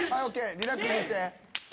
リラックスして。